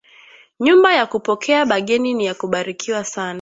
Nyumba ya kupokea ba geni niya kubarikiwa sana